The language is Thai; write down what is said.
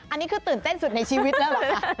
อันนี้คือตื่นเต้นสุดในชีวิตนะ